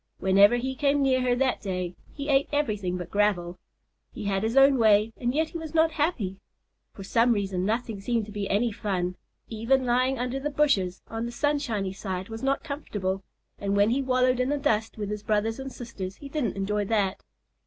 Whenever he came near her that day, he ate everything but gravel. He had his own way and yet he was not happy. For some reason, nothing seemed to be any fun. Even lying under the bushes on the sunshiny side was not comfortable, and when he wallowed in the dust with his brothers and sisters he didn't enjoy that.